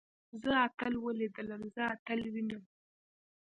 زه اتل وليدلم. زه اتل وينم.